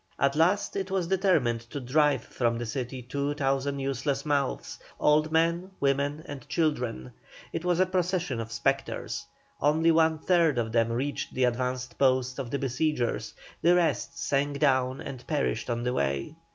At last it was determined to drive from the city two thousand useless mouths, old men, women, and children. It was a procession of spectres; only one third of them reached the advanced posts of the besiegers, the rest sank down and perished on the way.